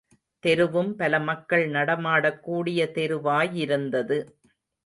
தெருவும் பல மக்கள் நடமாடக்கூடிய தெரு வாயிருந்தது.